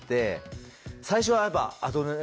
最初はやっぱ。